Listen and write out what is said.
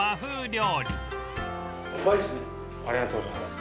ありがとうございます。